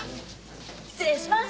失礼します。